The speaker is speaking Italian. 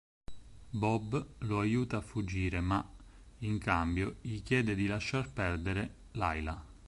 Bob lo aiuta a fuggire ma, in cambio, gli chiede di lasciar perdere Lyla.